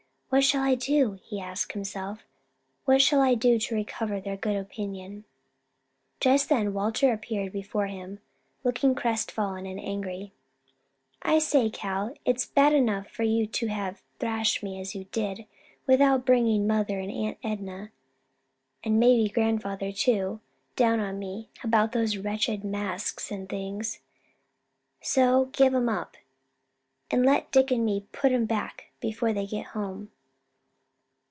"What shall I do?" he asked himself, "what shall I do to recover their good opinion?" Just then Walter appeared before him, looking crestfallen and angry. "I say, Cal, it's bad enough for you to have thrashed me as you did, without bringing mother and Aunt Enna, and maybe grandfather too, down on me about those wretched masks and things; so give 'em up and let Dick and me put 'em back before they get home."